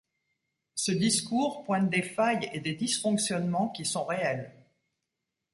Ce discours pointe des failles et des dysfonctionnements qui sont réels.